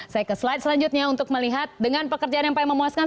saya ke slide selanjutnya untuk melihat dengan pekerjaan yang paling memuaskan